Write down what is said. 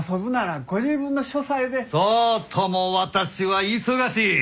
そうとも私は忙しい！